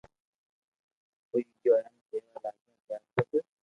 ھوئي گيو ھين ڪيوا لاگيو ڪي آ سب